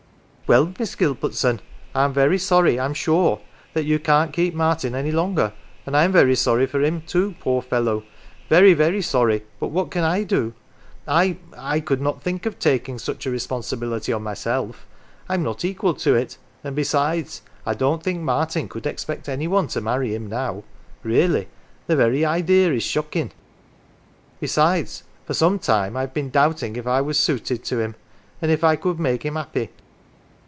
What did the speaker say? Well, Miss Gilbertson, I'm very sorry, I'm sure, that you can't keep Martin any longer, and I'm very sorry for him, too, poor fellow. Very, very sorry but what can I do ? I I could not think of taking such a responsibility on myself. I'm not equal to it; and liesides, I don't think Martin could expect any one to marry him now. Really, the very ideer is shockin' ! Besides, for some time I'd been doubting if I was suited to him, if I could make him 'appy.